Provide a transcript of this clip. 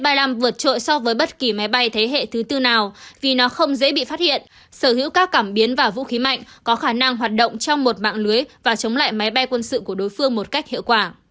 bay năm vượt trội so với bất kỳ máy bay thế hệ thứ tư nào vì nó không dễ bị phát hiện sở hữu các cảm biến và vũ khí mạnh có khả năng hoạt động trong một mạng lưới và chống lại máy bay quân sự của đối phương một cách hiệu quả